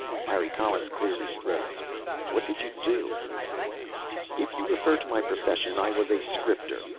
Harry Collins cleared his throat. "What did you do?" "If you refer to my profession, I was a scripter.